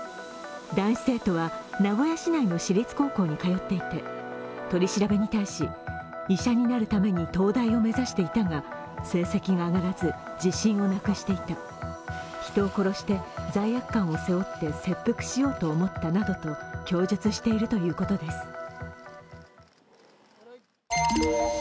男子生徒は名古屋市内の私立高校に通っていて取り調べに対し、医者になるために東大を目指していたが成績が上がらず、自信をなくしていた、人を殺して罪悪感を背負って切腹しようと思ったなどと供述しているということです。